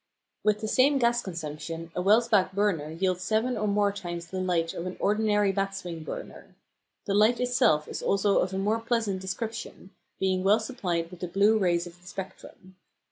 With the same gas consumption a Welsbach burner yields seven or more times the light of an ordinary batswing burner. The light itself is also of a more pleasant description, being well supplied with the blue rays of the spectrum.